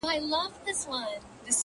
ستا د ږغ څــپــه . څـپه .څپــه نـه ده.